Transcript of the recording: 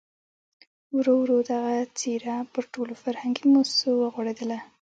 ورو ورو دغه څېره پر ټولو فرهنګي مؤسسو وغوړېدله.